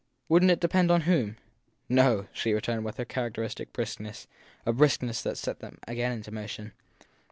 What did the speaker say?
Wouldn t it depend on whom ? No! she returned with her characteristic briskness a briskness that set them again into motion.